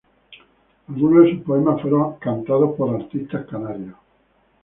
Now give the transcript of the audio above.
Algunos de sus poemas fueron cantados por artistas canarios.